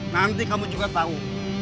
nanti kamu juga tahu